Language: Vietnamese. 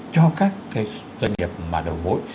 cho các doanh nghiệp đầu mối